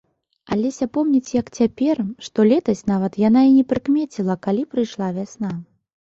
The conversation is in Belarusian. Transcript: Алеся помніць як цяпер, што летась нават яна і не прыкмеціла, калі прыйшла вясна.